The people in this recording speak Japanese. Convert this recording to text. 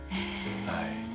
はい。